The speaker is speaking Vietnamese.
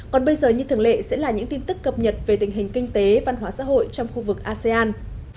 còn bây giờ như thường lệ sẽ là những tin tức cập nhật về tình hình kinh tế văn hóa xã hội trong khu vực asean